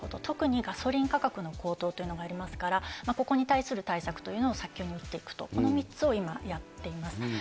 特にガソリン価格の高騰というのがありますから、ここに対する対策というのを早急に打っていくと、この３つを今、やっています。